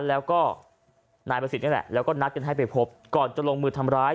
แล้วก็นายประสิทธิ์นี่แหละแล้วก็นัดกันให้ไปพบก่อนจะลงมือทำร้าย